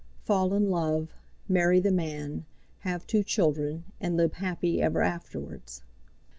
Fall in love, marry the man, have two children, and live happy ever afterwards.